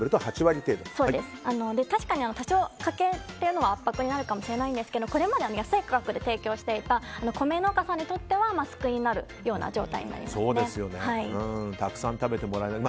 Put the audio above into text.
確かに多少、家計というのは圧迫になるかもしれないんですけれどもこれまで安い価格で提供していた米農家さんにとってはたくさん食べてもらえる。